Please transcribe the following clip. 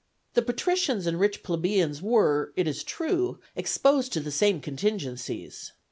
The patricians and rich plebeians were, it is true, exposed to the same contingencies.